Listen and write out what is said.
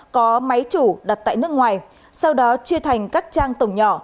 có máy chủ đặt tại nước ngoài sau đó chia thành các trang tổng nhỏ